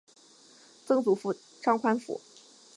曾祖父张宽甫。